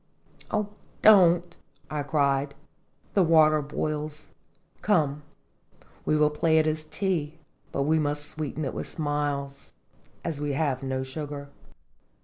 "Oh, don't!" I cried; "the water boils; come, we will play it is tea but we must sweeten it with smiles, as we have no sugar."